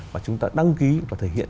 và chúng ta đăng ký và thể hiện